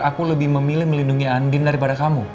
aku lebih memilih melindungi andin daripada kamu